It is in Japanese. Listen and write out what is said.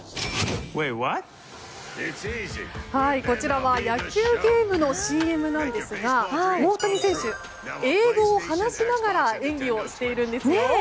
こちらは野球ゲームのＣＭなんですが大谷選手、英語を話しながら演技をしているんですよ！